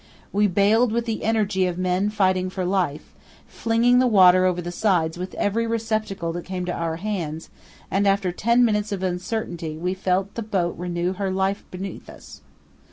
We baled with the energy of men fighting for life, flinging the water over the sides with every receptacle that came to our hands, and after ten minutes of uncertainty we felt the boat renew her life beneath us.